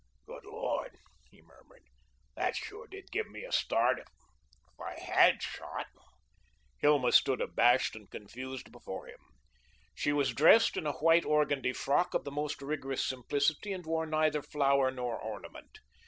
"Good Lord," he murmured, "that sure did give me a start. If I HAD shot " Hilma stood abashed and confused before him. She was dressed in a white organdie frock of the most rigorous simplicity and wore neither flower nor ornament.